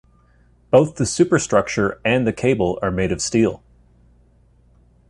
Both the superstructure and the cable are made of steel.